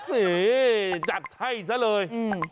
นี่จัดให้ซะเลย